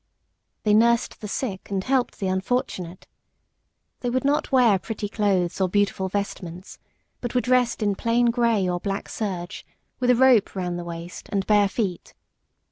They nursed the sick and helped the unfortunate. They would not wear pretty clothes or beautiful vestments, but were dressed in plain grey or black serge, with a rope round the waist, and bare feet.